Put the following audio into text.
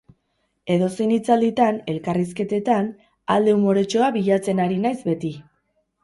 Edozein hitzalditan, elkarrizketetan, alde umoretsua bilatzen ari naiz beti.